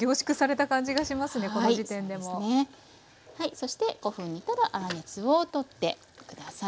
そして５分煮たら粗熱を取って下さい。